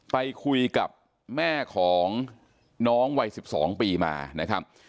ไปคุยกับแม่ของน้องวัย๑๒ปีมานะครับ